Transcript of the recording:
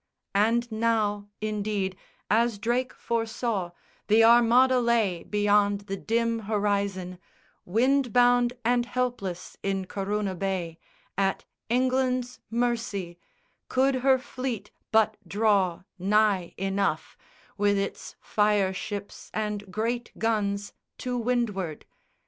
And now, indeed, as Drake foresaw, The Armada lay, beyond the dim horizon, Wind bound and helpless in Corunna bay, At England's mercy, could her fleet but draw Nigh enough, with its fire ships and great guns To windward.